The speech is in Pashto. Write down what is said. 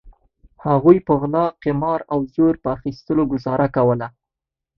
هغوی په غلا قمار او زور په اخیستلو ګوزاره کوله.